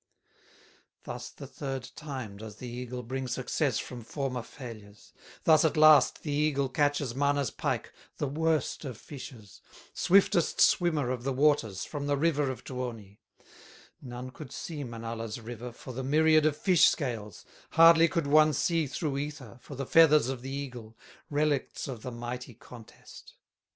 Thus the third time does the eagle Bring success from former failures; Thus at last the eagle catches Mana's pike, the worst of fishes, Swiftest swimmer of the waters, From the river of Tuoni; None could see Manala's river, For the myriad of fish scales; Hardly could one see through ether, For the feathers of the eagle, Relicts of the mighty contest.